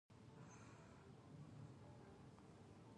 انار د افغانستان د جغرافیې یوه خورا غوره او ښه بېلګه ده.